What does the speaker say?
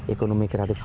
ekonomi kreatif tumbuh